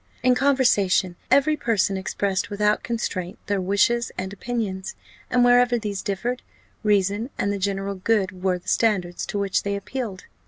In conversation, every person expressed without constraint their wishes and opinions; and wherever these differed, reason and the general good were the standards to which they appealed.